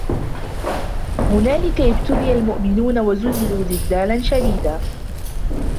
هُنَالِكَ ابْتُلِيَ الْمُؤْمِنُونَ وَزُلْزِلُوا زِلْزَالًا شَدِيدًا